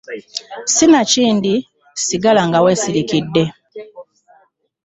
Sinakindi sigala nga we sirikidde.